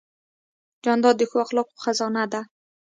جانداد د ښو اخلاقو خزانه ده.